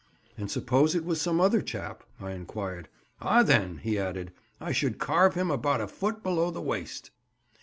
'" "And suppose it was some other chap?" I inquired. "Ah! then," he added, "I should carve him about a foot below the waist."